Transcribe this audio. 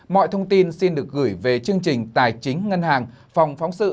mọi thông tin xin được gửi về chương trình tài chính ngân hàng phòng phóng sự